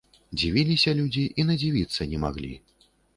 Дзівіліся людзі і надзівіцца не маглі.